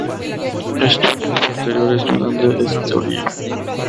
Estudios posteriores dudan de esta teoría.